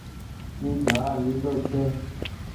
اي گآه ليلو ڇي۔